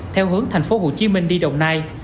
theo hướng tp hcm đi đồng nai